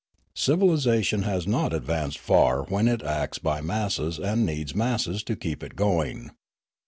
Civilisation has not advanced far when it acts by masses and needs masses to keep it going.